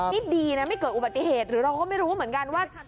นี่ดีนะไม่เกิดอุบัติเหตุหรือเราก็ไม่รู้เหมือนกันว่า